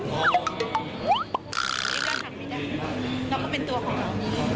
เราก็เป็นตัวของเขา